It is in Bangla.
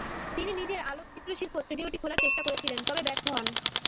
তিনি নিজের আলোকচিত্রশিল্প স্টুডিওটি খোলার চেষ্টা করেছিলেন, তবে ব্যর্থ হন।